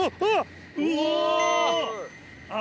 うわ！